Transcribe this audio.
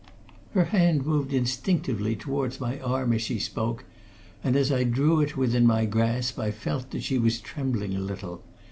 Her hand moved instinctively towards my arm as she spoke, and as I drew it within my grasp I felt that she was trembling a little.